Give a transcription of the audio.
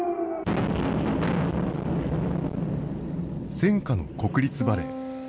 戦禍の国立バレエ。